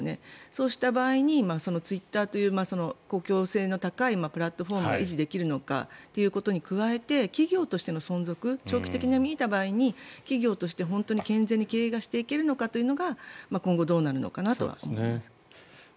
そうした場合にツイッターという公共性の高いプラットフォームが維持できるのかということに加えて企業としての存続長期的に見た場合に企業として本当に健全な経営がしていけるのかというのが今後どうなるのかなと思います。